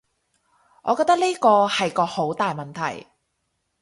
我覺得呢個係個好大問題